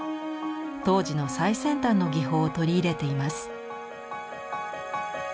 当時の最先端の技法を取り入れています。